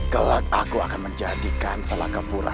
gelak aku akan menjadikan salakapura